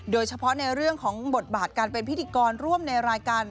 โดยเฉพาะในเรื่องของบทบาทการเป็นพิธีกรร่วมในรายการ